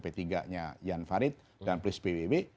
p tiga nya jan farid dan plus pbb